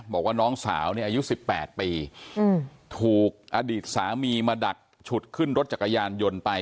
บอกว่าน้องสาวเนี่ยอายุ๑๘ปีถูกอดีตสามีมาดักฉุดขึ้นรถจักรยานยนต์ไป